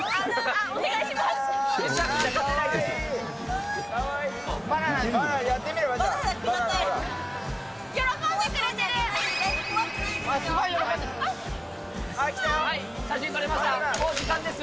お願いします。